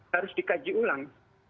harus dikaji ulang